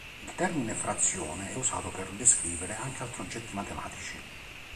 Il termine "frazione" è usato per descrivere anche altri oggetti matematici.